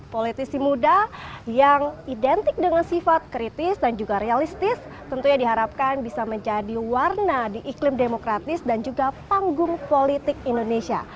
politisi muda yang identik dengan sifat kritis dan juga realistis tentunya diharapkan bisa menjadi warna di iklim demokratis dan juga panggung politik indonesia